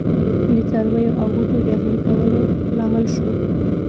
د څارویو او بوټو د اهلي کولو لامل شو.